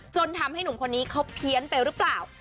จนทำให้หนุ่มคนนี้เขาเพี้ยนไปหรือเปล่า